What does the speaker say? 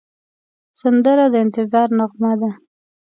سندره د انتظار نغمه ده